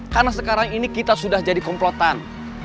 karena sekarang ini kita sudah jadi komplotan